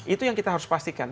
itu yang kita harus pastikan